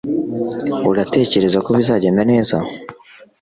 uratekereza ko bizagenda neza